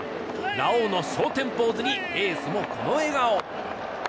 ラオウの昇天ポーズにエースもこの笑顔。